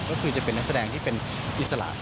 ก็คือจะเป็นนักแสดงที่เป็นอิสระ